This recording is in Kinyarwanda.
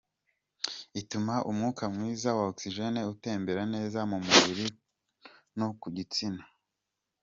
Ituma umwuka mwiza wa oxygen utembera neza mu mubiri no ku gitsina.